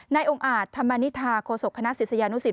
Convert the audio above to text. องค์อาจธรรมนิษฐาโคศกคณะศิษยานุสิต